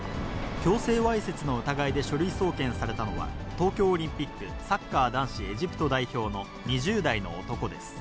強制わいせつの疑いで書類送検されたのは、東京オリンピックサッカー男子エジプト代表の２０代の男です。